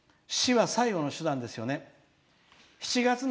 しかし死は最後の手段ですよね。